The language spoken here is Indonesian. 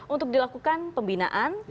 untuk dilakukan pembinaan